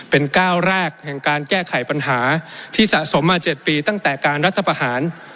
เป็นก้าวแรกแห่งการแก้ไขปัญหาที่สะสมมา๗ปีตั้งแต่การรัฐประหาร